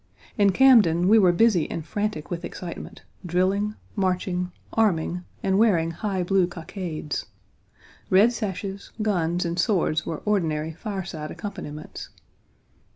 In Camden we were busy and frantic with excitement, drilling, marching, arming, and wearing high blue cockades. Red sashes, guns, and swords were ordinary fireside accompaniments.